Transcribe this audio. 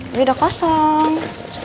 ini udah kosong